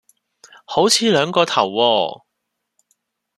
好似兩個頭喎